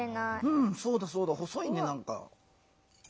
うんそうだそうだ細いねなんか。